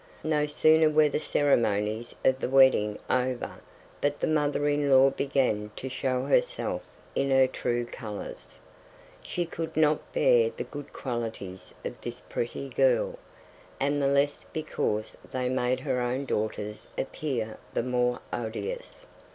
No sooner were the ceremonies of the wedding over but the mother in law began to show herself in her true colors. She could not bear the good qualities of this pretty girl, and the less because they made her own daughters appear the more odious.